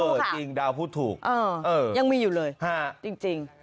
จริงดาวพูดถูกยังมีอยู่เลยจริง